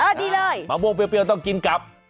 อันนี้เลยมะม่วงเปรี้ยวต้องกินกับ